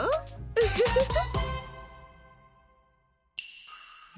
ウフフフ。